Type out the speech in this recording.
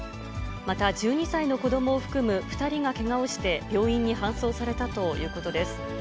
また１２歳の子どもを含む２人がけがをして病院に搬送されたということです。